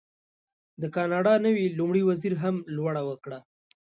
د کاناډا نوي لومړي وزیر هم لوړه وکړه.